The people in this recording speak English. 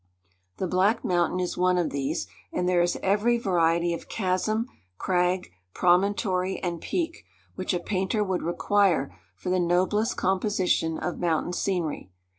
The Black Mountain is one of these; and there is every variety of chasm, crag, promontory, and peak, which a painter would require for the noblest composition of mountain scenery.